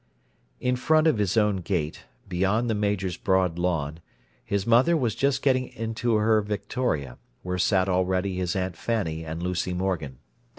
In front of his own gate, beyond the Major's broad lawn, his mother was just getting into her victoria, where sat already his Aunt Fanny and Lucy Morgan.